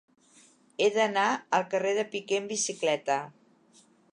He d'anar al carrer de Piquer amb bicicleta.